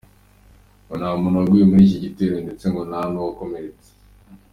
Ngo nta muntu waguye muri iki gitero ndetse ngo nta n’uwakomeretse.